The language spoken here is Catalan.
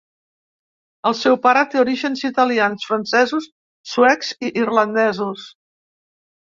El seu pare té orígens italians, francesos, suecs i irlandesos.